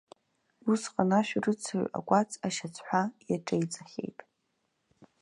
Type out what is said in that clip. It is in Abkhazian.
Усҟан ашәарыцаҩ акәац ашьацҳәа иаҿеиҵахьеит.